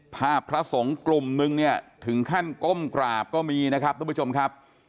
พระสงฆ์กลุ่มนึงเนี่ยถึงขั้นก้มกราบก็มีนะครับทุกผู้ชมครับ